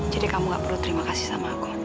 kamu gak perlu terima kasih sama aku